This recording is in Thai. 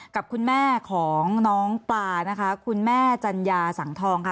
กับคุณแม่ของน้องปลานะคะคุณแม่จัญญาสังทองค่ะ